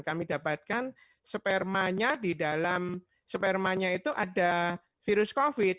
kami dapatkan spermanya di dalam spermanya itu ada virus covid